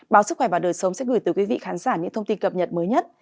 báo sức khỏe và đời sống sẽ gửi tới quý vị khán giả những thông tin cập nhật mới nhất